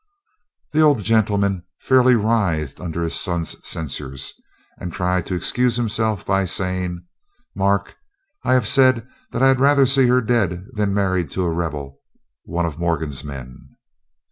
The old gentleman fairly writhed under his son's censures, and tried to excuse himself by saying, "Mark, I have said I had rather see her dead than married to a Rebel, one of Morgan's men."